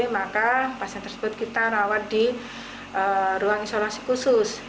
maka pasien tersebut kita rawat di ruang isolasi khusus